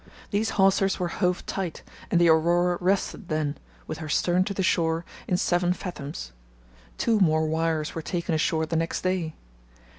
These hawsers were hove tight, and the Aurora rested then, with her stern to the shore, in seven fathoms. Two more wires were taken ashore the next day.